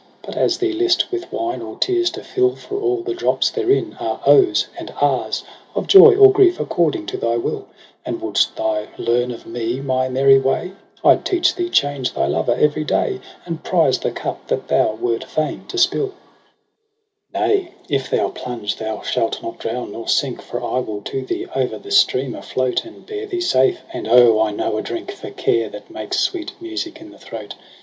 But as thee list with wine or tears to fill ; For all the drops therein are Ohs and Ahs Of joy or grief according to thy will j And wouldst thou learn of me my merry way, I'd teach thee change thy lover every day. And prize the cup that thou wert fain to spUl. AUGUST 139 18 ' Nay, if thou plunge thou shalt not drown nor sink, For I will to thee o'er the stream afloat, And bear thee safe ; and O I know a drink For care, that makes sweet music in the throat.